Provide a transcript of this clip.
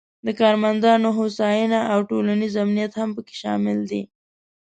د کارمندانو هوساینه او ټولنیز امنیت هم پکې شامل دي.